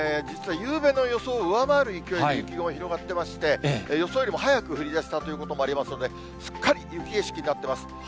実は夕べの予想を上回る勢いで、雪雲広がってまして、予想よりも早く降りだしたということもありますので、すっかり雪景色になっています。